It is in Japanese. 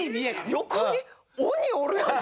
横に鬼おるやんけ。